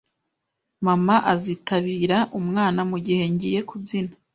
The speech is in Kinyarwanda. Mama azitabira umwana mugihe ngiye kubyina